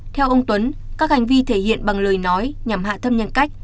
theo ông tuấn các hành vi thể hiện bằng lời nói nhằm hạ thâm nhân cách